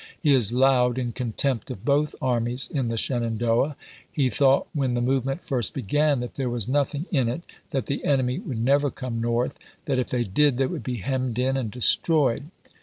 He is loud in contempt of both armies in the Shenandoah. He thought when the movement first began that there was nothing in it ; that the enemy would never come north ; that if they did, they would be hemmed in and destroyed.